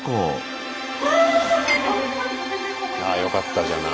ああよかったじゃない。